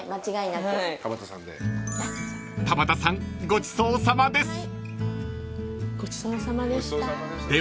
ごちそうさまでした。